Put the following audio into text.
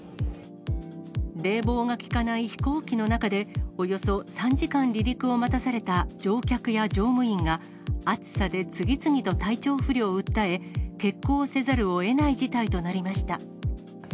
冷房が効かない飛行機の中で、およそ３時間離陸を待たされた乗客や乗務員が、暑さで次々と体調不良を訴え、欠航せざるをえない事態となりました。